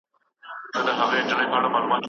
ولې دې یو زوی په بل زوی وواژه؟